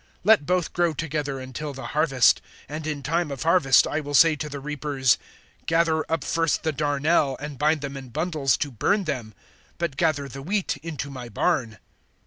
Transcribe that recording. (30)Let both grow together until the harvest. And in time of harvest I will say to the reapers: Gather up first the darnel, and bind them in bundles to burn them; but gather the wheat into my barn.